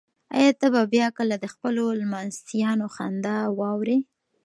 ایا ته به بیا کله د خپلو لمسیانو خندا واورې؟